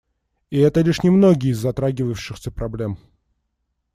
И это лишь немногие из затрагивавшихся проблем.